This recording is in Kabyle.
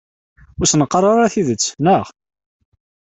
Ur asen-qqar ara tidet, naɣ?